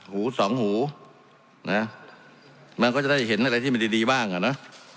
หูสองหูนะมันก็จะได้เห็นอะไรที่มันดีบ้างอ่ะนะ